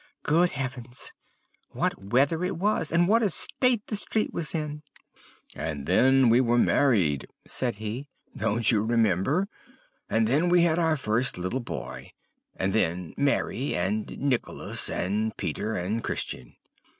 Good heavens! What weather it was, and what a state the street was in!' "'And then we married,' said he. 'Don't you remember? And then we had our first little boy, and then Mary, and Nicholas, and Peter, and Christian.'